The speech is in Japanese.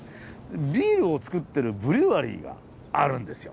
ビールを造ってるブルワリーがあるんですよ。